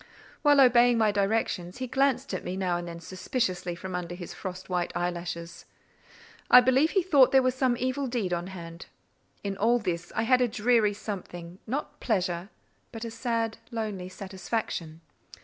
While obeying my directions, he glanced at me now and then suspiciously from under his frost white eyelashes. I believe he thought there was some evil deed on hand. In all this I had a dreary something—not pleasure—but a sad, lonely satisfaction.